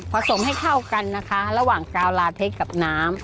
สมให้เข้ากันนะคะระหว่างกาวลาเทคกับน้ำ